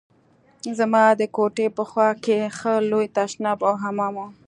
زما د کوټې په خوا کښې ښه لوى تشناب او حمام و.